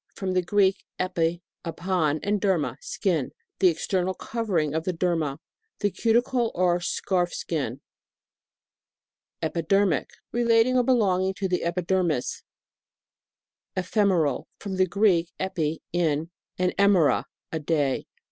From the Greek, epi, upon, and derma, skin. The ex ternal covering of the derma. The cuticle or scarf skin. EPIDERMIC. Relating or belonging to the epidermis. EPHEMERAL. From the Greek, ejri, in, and emera, a day.